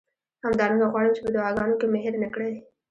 همدارنګه غواړم چې په دعاګانو کې مې هیر نه کړئ.